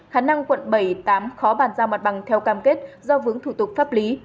khả năng quận bảy tám khó bàn giao mặt bằng theo cam kết do vướng thủ tục pháp lý